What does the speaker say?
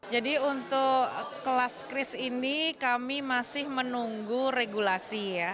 jadi untuk kelas kris ini kami masih menunggu regulasi ya